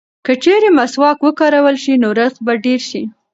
که چېرې مسواک وکارول شي نو رزق به ډېر شي.